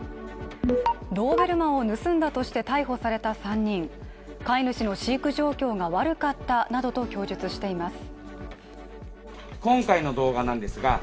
ドーベルマンを盗んだとして逮捕された３人、飼い主の飼育状況が悪かったなどと供述しています。